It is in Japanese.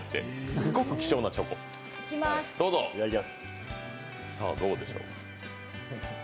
すごく希少なチョコ、さあどうでしょう。